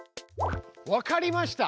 わかりました。